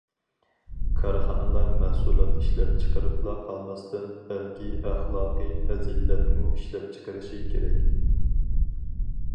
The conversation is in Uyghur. كارخانىلار مەھسۇلات ئىشلەپچىقىرىپلا قالماستىن، بەلكى ئەخلاقى پەزىلەتمۇ ئىشلەپچىقىرىشى كېرەك.